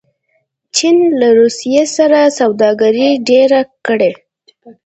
چین له روسیې سره سوداګري ډېره کړې.